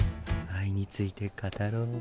愛について語ろう。